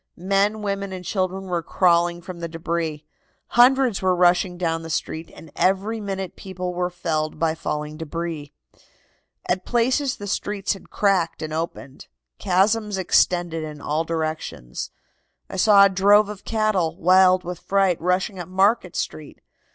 Men, women and children were crawling from the debris. Hundreds were rushing down the street, and every minute people were felled by falling debris. "At places the streets had cracked and opened. Chasms extended in all directions. I saw a drove of cattle, wild with fright, rushing up Market Street.